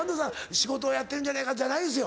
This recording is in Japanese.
仕事やってんじゃねえかじゃないですよ。